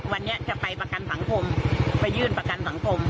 วันนี้จะไปประกันสังคมไปยื่นประกันสังคม